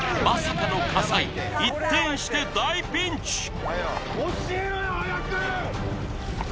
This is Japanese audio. まさかの火災一転して大ピンチ！